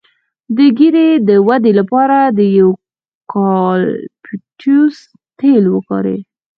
د ږیرې د ودې لپاره د یوکالیپټوس تېل وکاروئ